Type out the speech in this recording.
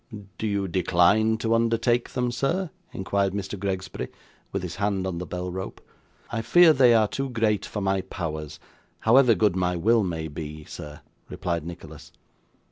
'Do you decline to undertake them, sir?' inquired Mr. Gregsbury, with his hand on the bell rope. 'I fear they are too great for my powers, however good my will may be, sir,' replied Nicholas.